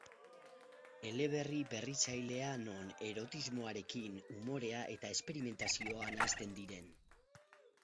Eleberri berritzailea non erotismoarekin, umorea eta esperimentazioa nahasten diren.